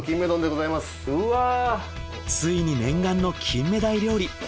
ついに念願のキンメダイ料理。